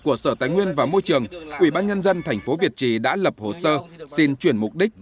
của sở tài nguyên và môi trường ủy ban nhân dân thành phố việt trì đã lập hồ sơ xin chuyển mục đích